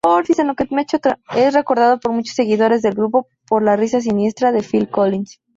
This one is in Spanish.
Es recordada por muchos seguidores del grupo por la risa siniestra de Phil Collins.